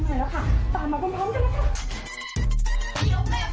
สวัสดีค่ะคุณผู้ชมค่ะวันนี้ฮาปัสพามาถึงจากกันอยู่ที่ยา